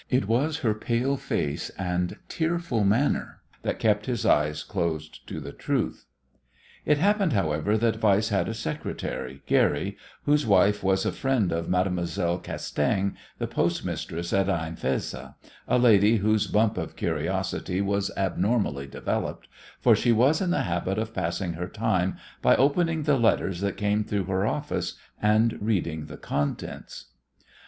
It was her pale face and tearful manner that kept his eyes closed to the truth. It happened, however, that Weiss had a secretary, Guerry, whose wife was a friend of Mademoiselle Castaing, the postmistress at Ain Fezza, a lady whose bump of curiosity was abnormally developed, for she was in the habit of passing her time by opening the letters that came through her office, and reading the contents.